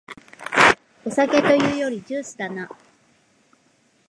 お酒というよりジュースだな